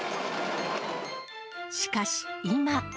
しかし、今。